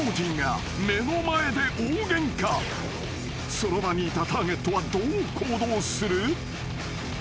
［その場にいたターゲットはどう行動する？］